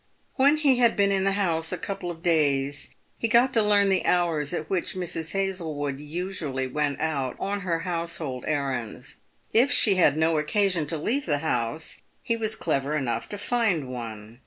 When he had been in the house a couple of days, he got to learn the hours at which Mrs. Hazlewood usually went out on her house hold errands. If she had no occasion to leave the house, he was clever enough to find one.